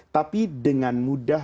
tapi dengan mudah